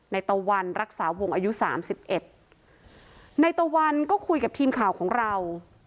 ตะวันรักษาวงอายุสามสิบเอ็ดในตะวันก็คุยกับทีมข่าวของเรา